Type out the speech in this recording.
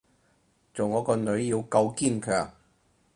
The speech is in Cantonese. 做我個女要夠堅強